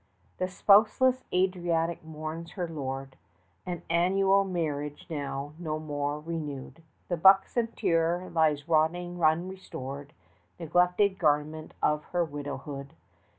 The spouseless Adriatic mourns her lord; And, annual marriage now no more renewed, The Bucentaur lies rotting unrestored, Neglected garment of her widowhood!